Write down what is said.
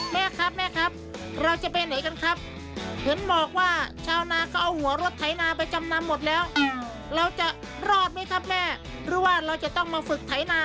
แม่ครับแม่ครับเราจะไปไหนกันครับเห็นบอกว่าชาวนาก็เอาหัวรถไถนาไปจำนำหมดแล้วเราจะรอดไหมครับแม่หรือว่าเราจะต้องมาฝึกไถนา